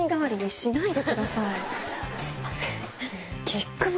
すいません。